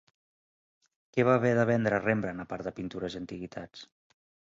Què va haver de vendre Rembrandt a part de pintures i antiguitats?